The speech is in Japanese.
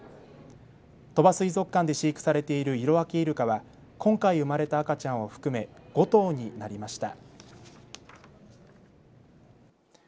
鳥羽水族館で飼育されているイロワケイルカは今回生まれた赤ちゃんを含め５頭になりました。